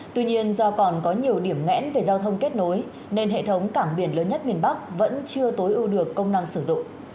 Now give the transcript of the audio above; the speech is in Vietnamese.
tuy nhiên do còn có nhiều điểm nghẽn về giao thông kết nối nên hệ thống cảng biển lớn nhất miền bắc vẫn chưa tối ưu được công năng sử dụng